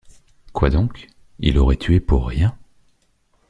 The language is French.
Quoi donc? il aurait tué pour rien.